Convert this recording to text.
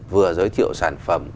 vừa giới thiệu sản phẩm